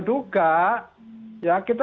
duga ya kita